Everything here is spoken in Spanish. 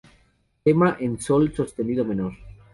Tema en Sol sostenido menor.